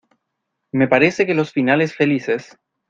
me parece que los finales felices